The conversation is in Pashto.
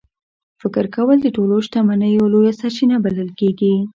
فکر کول د ټولو شتمنیو لویه سرچینه بلل کېږي.